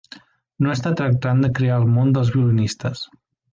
No està tractant de crear el món dels violinistes.